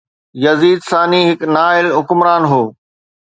يزيد ثاني هڪ نااهل حڪمران هو